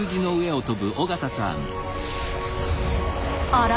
あら？